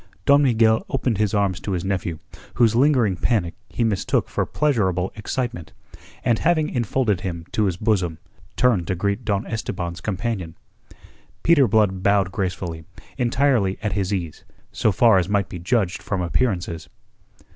Don Miguel opened his arms to his nephew, whose lingering panic he mistook for pleasurable excitement, and having enfolded him to his bosom turned to greet Don Esteban's companion. Peter Blood bowed gracefully, entirely at his ease, so far as might be judged from appearances.